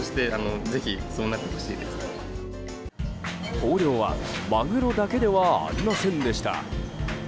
豊漁はマグロだけではありませんでした。